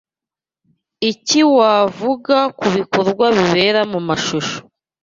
iki wavuga kubikorwa bibera mumashusho